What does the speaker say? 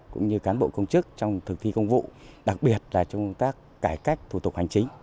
cũng như cán bộ công chức trong thực thi công vụ đặc biệt là trong công tác cải cách thủ tục hành chính